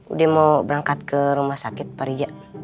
udah mau berangkat ke rumah sakit pak rija